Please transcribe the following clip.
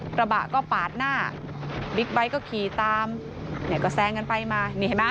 กระบะก็ปาดหน้าบิ๊กไบท์ก็ขีตามแล้วก็แซ่งกันไปมา